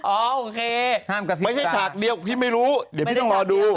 อ๋อโอเคไม่ใช่ฉากเดียวพี่ไม่รู้เดี๋ยวพี่ต้องรอดู